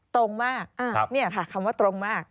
ตรงมากนี่ค่ะคำว่าตรงมาก